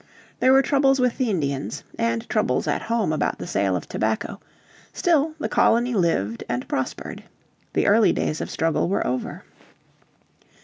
There were troubles with the Indians, and troubles at home about the sale of tobacco; still the colony lived and prospered. The early days of struggle were over.